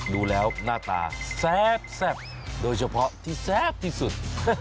ดูแล้วหน้าตาแซ่บโดยเฉพาะที่แซ่บที่สุด